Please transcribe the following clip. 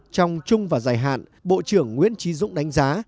trong chung và dài hạn bộ trưởng nguyễn trí dũng đánh giá